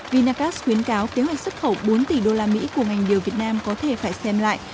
vinacast khuyến cáo kế hoạch xuất khẩu bốn tỷ usd của ngành điều việt nam có thể phải xem lại